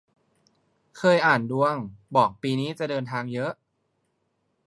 เคยอ่านดวง บอกปีนี้จะเดินทางเยอะ